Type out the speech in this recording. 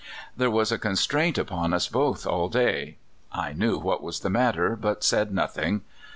) There was a constraint upon us both all day. I knew what was the matter, but said nothing.